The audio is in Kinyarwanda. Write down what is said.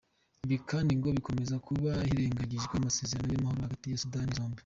Ibi kandi ngo bikomeza kuba hirengagijwe amasezerano y’Amahoro hagati ya Sudani zombi .